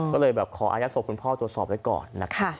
ก็เลยแบบขออายัดศพคุณพ่อตรวจสอบไว้ก่อนนะคะ